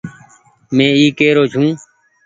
مين اي ڪي رو ڇو۔